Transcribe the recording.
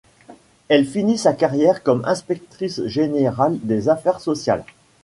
Elle finit sa carrière comme inspectrice générale des affaires sociales.